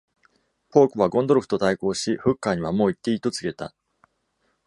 ポークはゴンドルフと対抗し、フッカーにはもう行っていいと告げた。